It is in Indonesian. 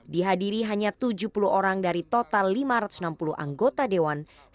dihadiri hanya tujuh puluh orang dari total lima ratus enam puluh anggota dewan